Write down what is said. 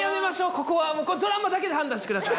ここはドラマだけで判断してください。